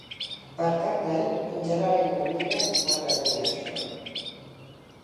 Per Cap d'Any en Gerard i na Mira van a Beniarjó.